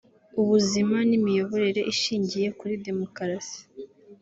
ubuzima n’imiyoborere ishingiye kuri demokarasi